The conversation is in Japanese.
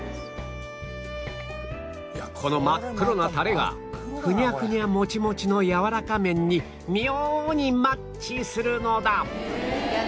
この真っ黒なタレがふにゃふにゃモチモチのやわらか麺に妙にマッチするのだ